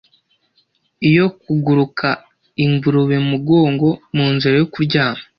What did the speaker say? yo kuguruka ingurube-mugongo, munzira yo kuryama.